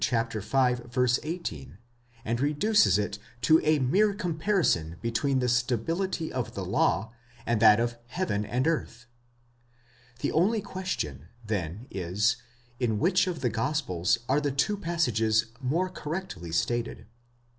y. 18, and reduces it to a mere comparison between the stability of the law, and that of heaven and earth. The only question then is, in which of the gospels are the two passages more correctly stated?